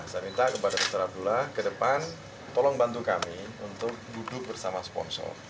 saya minta kepada dokter abdullah ke depan tolong bantu kami untuk duduk bersama sponsor